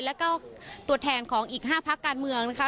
แล้วก็ตัวแทนของอีก๕พักการเมืองนะคะ